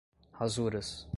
rasuras